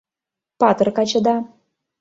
Патыр качыда.